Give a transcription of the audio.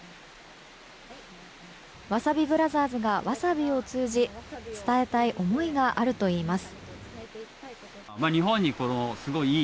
わさびブラザーズがわさびを通じ伝えたい思いがあるといいます。